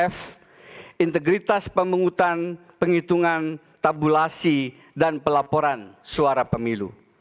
f integritas pemungutan penghitungan tabulasi dan pelaporan suara pemilu